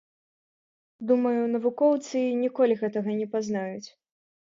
Думаю, навукоўцы ніколі гэтага не пазнаюць.